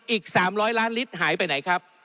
อีก๓๐๐ล้านลิตรหายไปไหนครับ